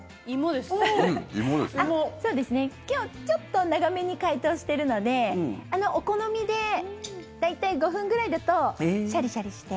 今日ちょっと長めに解凍してるのでお好みで大体５分くらいだとシャリシャリして。